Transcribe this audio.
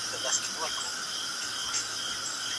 د موضوع مخینه هیڅکله مه هېروئ.